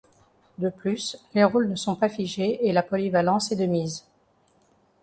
De plus, les rôles ne sont pas figés et la polyvalence est de mise.